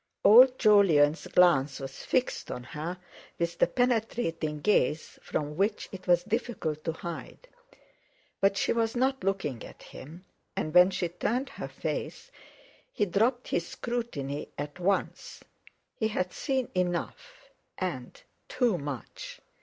Old Jolyon's glance was fixed on her with the penetrating gaze from which it was difficult to hide; but she was not looking at him, and when she turned her face, he dropped his scrutiny at once. He had seen enough, and too much.